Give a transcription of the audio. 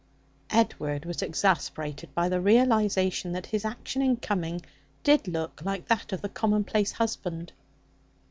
Edward was exasperated by the realization that his action in coming did look like that of the commonplace husband.